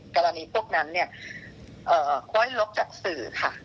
กรณีพวกนั้นเนี่ยค่อยลบจากสื่อค่ะ